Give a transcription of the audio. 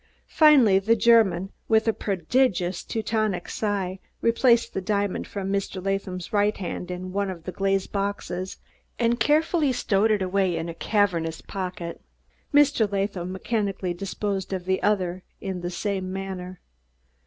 Finally the German, with a prodigious Teutonic sigh, replaced the diamond from Mr. Latham's right hand in one of the glazed boxes and carefully stowed it away in a cavernous pocket; Mr. Latham mechanically disposed of the other in the same manner.